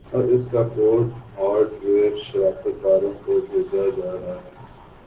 اب اسکا code hardware شراکت داروں کو بھیجا جارہا ہے